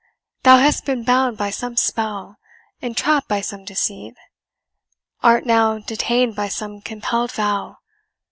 Thou hast been bound by some spell entrapped by some deceit art now detained by some compelled vow.